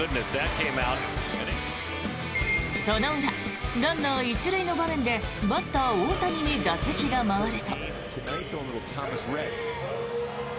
その裏、ランナー１塁の場面でバッター大谷に打席が回ると。